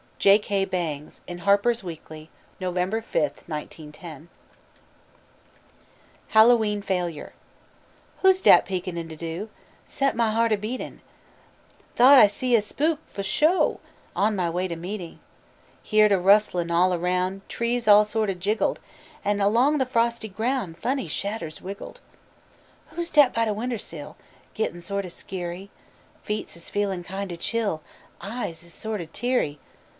J. K. BANGS in Harper's Weekly, Nov. 5, 1910. HALLOWE'EN FAILURE Who's dat peekin' in de do'? Set mah heart a beatin'! Thought I see' a spook for sho On mah way to meetin'. Heerd a rustlin' all aroun', Trees all sort o' jiggled; An' along de frosty groun' Funny shadders wriggled. Who's dat by de winder sill? Gittin' sort o' skeery; Feets is feelin' kind o' chill, Eyes is sort o' teary.